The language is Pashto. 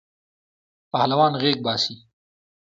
پهلوان غیږ باسی.